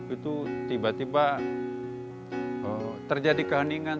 itu tiba tiba terjadi keheningan